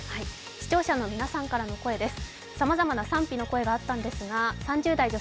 視聴者の皆さんからの声です。